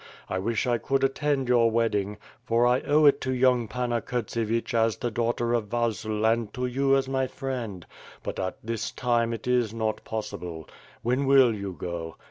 I wish I could attend your wedding, for I owe it to young Panna Kurtsevich as the daughter of Vasil and to you as my friend; but at this time it is not possible. When will you go?"